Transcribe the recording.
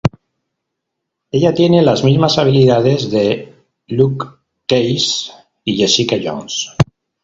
Ella tiene las mismas habilidades de Luke Cage y Jessica Jones.